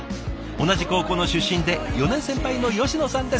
同じ高校の出身で４年先輩の吉野さんです。